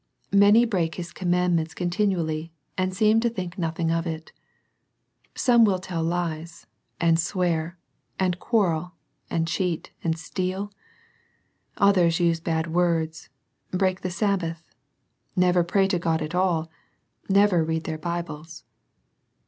Many break His commandments contin ually, and seem to think nothing of it Some will tell lies, and swear, and quarrel, and cheat, and steal. Others use bad words, break the Sabbath, never pray to God at all, never read their Bibles.